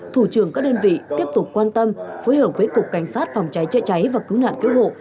thủ trưởng các đơn vị tiếp tục quan tâm phối hợp với cục cảnh sát phòng cháy chữa cháy và cứu nạn cứu hộ